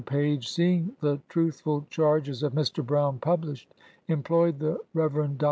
Page, seeing the truthful charges of Mr. Brown published, employed the Rev. Dr.